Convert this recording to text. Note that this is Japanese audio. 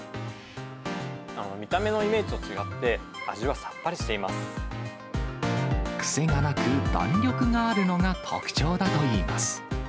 見た目のイメージと違って、癖がなく、弾力があるのが特徴だといいます。